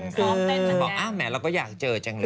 เกือบเราบอกแหมเราก็อยากเจอจังเลย